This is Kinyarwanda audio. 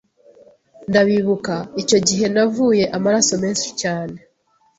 ndabibuka icyo gihe navuye amaraso menshi cyaneeee